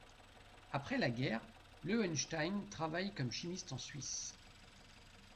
Après la guerre, Löwenstein travaille comme chimiste en Suisse.